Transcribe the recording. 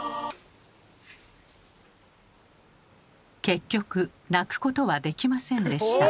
結局泣くことはできませんでした。